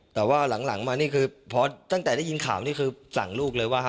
แต่ว่าหลังมานี่คือพอตั้งแต่ได้ยินข่าวนี่คือสั่งลูกเลยว่า